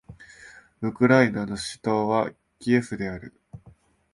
ウクライナの首都はキエフである